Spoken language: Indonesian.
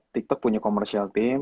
tiktok punya commercial team